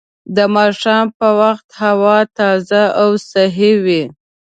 د ماښام په وخت هوا تازه او صحي وي